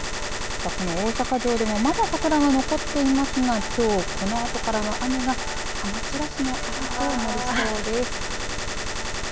さあ、この大阪城でもまだ桜が残っていますがきょうこのあとから雨が花散らしの雨となりそうです。